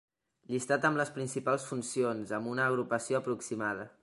Llistat amb les principals funcions, amb una agrupació aproximada.